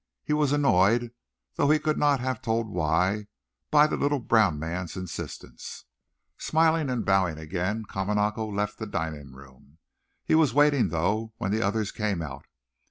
He was annoyed, though he could not have told why, by the little brown man's insistence. Smiling and bowing again, Kamanako left the dining room. He was waiting, though, when the others came out.